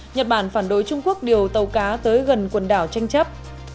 nhật bản phản đối trung quốc điều tàu cá tới gần quần đảo tranh chấp